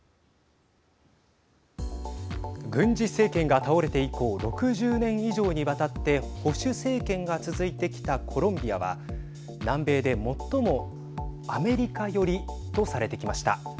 軍事政権が倒れて以降６０年以上にわたって保守政権が続いてきたコロンビアは南米で最もアメリカ寄りとされてきました。